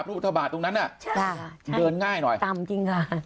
พฤตบาทตรงนั้นน่ะใช่ค่ะเดินง่ายหน่อยตำจริงค่ะ